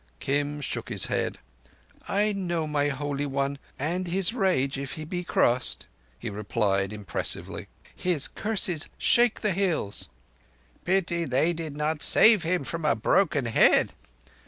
Kim shook his head. "I know my Holy One, and his rage if he be crossed," he replied impressively. "His curses shake the Hills." "Pity they did not save him from a broken head!